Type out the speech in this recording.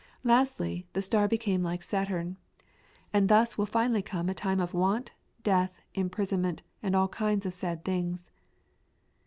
Lastly, the star became like Saturn, and thus will finally come a time of want, death, imprisonment, and all kinds of sad things!"